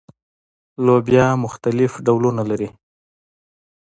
لوبیې مختلف ډولونه لري